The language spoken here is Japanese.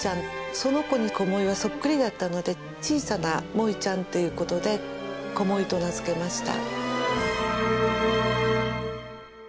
その子にコモイはそっくりだったので小さなモイちゃんということでコモイと名付けました。